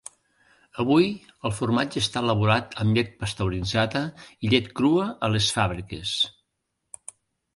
Avui, el formatge està elaborat amb llet pasteuritzada i llet crua a les fàbriques.